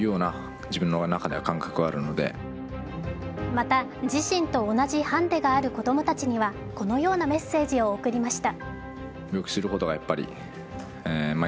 また、自身と同じハンデがある子供たちにはこのようなメッセージを送りました。